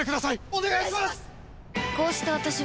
お願いします！